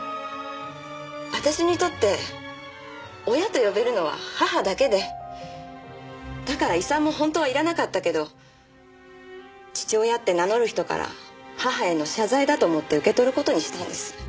私にとって親と呼べるのは母だけでだから遺産も本当はいらなかったけど父親って名乗る人から母への謝罪だと思って受け取る事にしたんです。